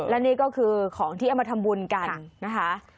และนี่ก็คือของที่เอามาทำบุญกันนะคะ